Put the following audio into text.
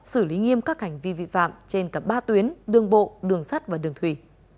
xử lý nghiêm các hành vi vi phạm trên cả ba tuyến đường bộ đường sắt và đường thủy